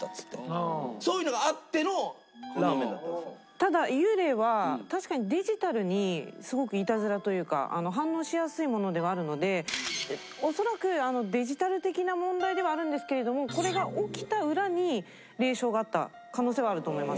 ただ幽霊は確かにデジタルにすごくイタズラというか反応しやすいものではあるので恐らくデジタル的な問題ではあるんですけれどもこれが起きた裏に霊障があった可能性はあると思います。